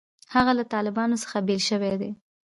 هغه له طالبانو څخه بېل شوی دی.